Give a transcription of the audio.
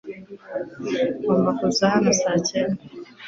Agomba kuza hano saa cyenda. m.